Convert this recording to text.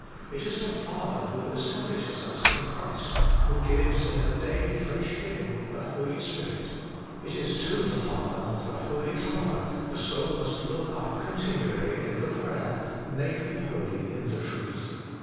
It is the Father who establishes us in Christ, who gives, in a daily fresh giving, the Holy Spirit ; it is to the Father, the Holy Father, the soul must look up continually in the prayer, ' Make me holy in the truth.'